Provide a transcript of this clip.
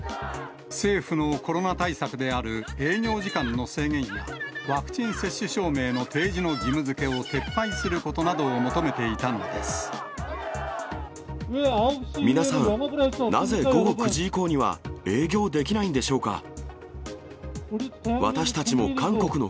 政府のコロナ対策である営業時間の制限や、ワクチン接種証明の提示の義務づけを撤廃することなどを求めてい皆さん、なぜ午後９時以降には営業できないんでしょうか。